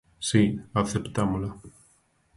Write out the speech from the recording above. Si, aceptámola.